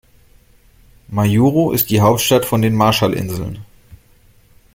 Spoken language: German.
Majuro ist die Hauptstadt von den Marshallinseln.